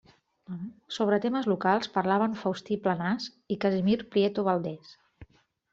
Sobre temes locals parlaven Faustí Planàs i Casimir Prieto Valdés.